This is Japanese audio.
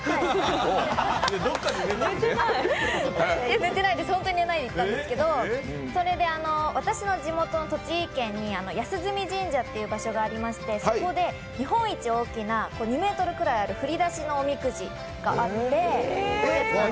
寝てないです、ホントに寝ないで行ったんですけどそれで私の地元の栃木県に安住神社という場所がありましてそこで日本一大きな２ｍくらいある振出のおみくじがあって。